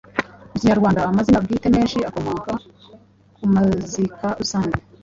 Mu Kinyarwanda amazina bwite menshi akomoka ku mazika rusange.